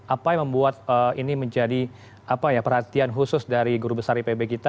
apa yang membuat ini menjadi perhatian khusus dari guru besar ipb kita